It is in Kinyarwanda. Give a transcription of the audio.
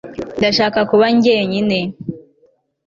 ndashaka kuba jyenyine